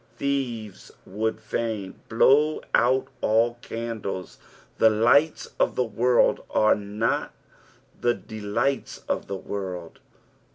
Thieves would fain blow out all candles. The lights of the world are not the delights of the world.